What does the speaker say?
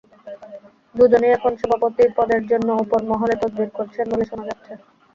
দুজনই এখন সভাপতি পদের জন্য ওপরমহলে তদবির করছেন বলে শোনা যাচ্ছে।